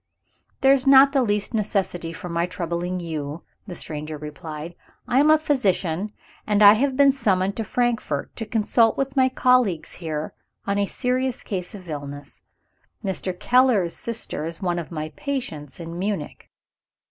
"There is not the least necessity for my troubling you," the stranger replied. "I am a physician; and I have been summoned to Frankfort to consult with my colleagues here, on a serious case of illness. Mr. Keller's sister is one of my patients in Munich.